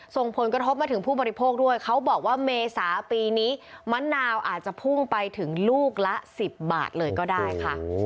ส่งผลกระทบมาถึงผู้บริโภคด้วยเขาบอกว่าเมษาปีนี้มะนาวอาจจะพุ่งไปถึงลูกละ๑๐บาทเลยก็ได้ค่ะ